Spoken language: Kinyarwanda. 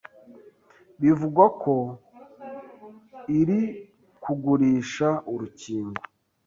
bivugwa ko iri kugurisha urukingo